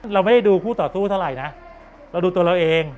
เราไม่ได้ดูคู่ต่อสู้เท่าไหร่นะเราดูตัวเราเอง